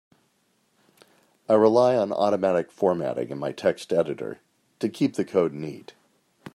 I rely on automatic formatting in my text editor to keep the code neat.